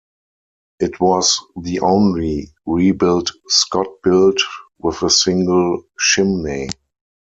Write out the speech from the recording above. It was the only rebuilt Scot built with a single chimney.